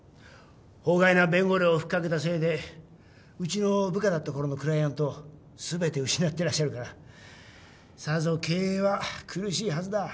法外な弁護料をふっかけたせいでうちの部下だったころのクライアントを全て失ってらっしゃるからさぞ経営は苦しいはずだ。